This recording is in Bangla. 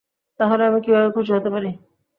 তাহলে আমি কিভাবে খুশি হতে পারি?